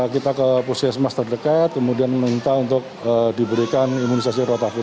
kita ke pusiasmas terdekat kemudian minta untuk diberikan imunisasi rotavirus